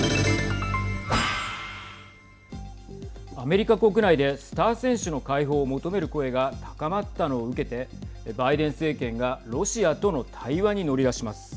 アメリカ国内でスター選手の解放を求める声が高まったのを受けてバイデン政権がロシアとの対話に乗り出します。